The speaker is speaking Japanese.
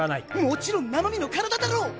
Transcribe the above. もちろん生身の体だろ！